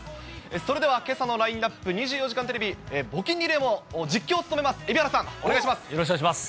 それではけさのラインナップ、２４時間テレビ、募金リレーも実況を務めます蛯原さん、よろしくお願いします。